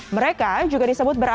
mereka juga disebut berangkat